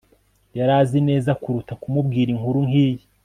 yari azi neza kuruta kumubwira inkuru nkiyi